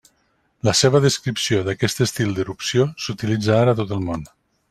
La seva descripció d'aquest estil d'erupció s'utilitza ara a tot el món.